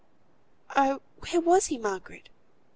Oh! where was he, Margaret?"